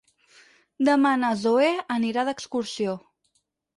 Demà na Zoè anirà d'excursió.